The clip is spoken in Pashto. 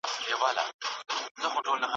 د مرتد سزا ټاکل سوې ده.